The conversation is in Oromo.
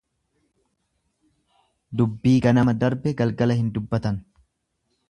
Dubbii ganama darbe galgala hin dubbatan.